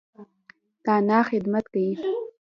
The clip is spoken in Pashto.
د انا خدمت کيي.